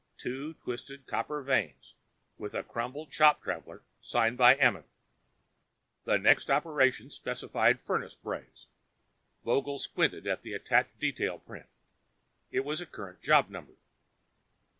Two twisted copper vanes with a crumpled shop traveler signed by Amenth. The next operation specified furnace braze. Vogel squinted at the attached detail print. It was a current job number.